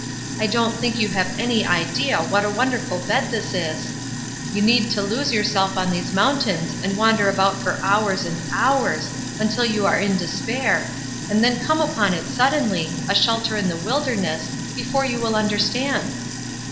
I don't think you have any idea what a wonderful bed this is ! You need to lose yourself on these moun tains and wander about for hours and hours, until you are in despair, and then come upon it suddenly, a shelter in the wilderness, before you will understand."